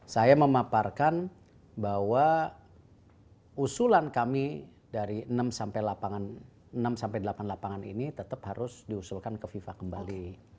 saya memaparkan bahwa usulan kami dari enam sampai delapan lapangan ini tetap harus diusulkan ke fifa kembali